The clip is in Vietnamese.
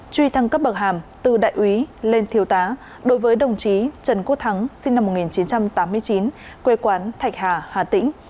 truy thăng cấp bậc hàm từ đại úy lên thiếu tá đối với đồng chí trần quốc thắng sinh năm một nghìn chín trăm tám mươi chín quê quán thạch hà hà tĩnh